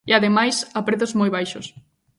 E, ademais, a prezos moi baixos.